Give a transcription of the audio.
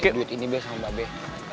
gue mau ngeliat duit ini sama mba be